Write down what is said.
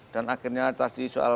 dan akhirnya atasi soal